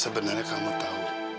sebenarnya kamu tahu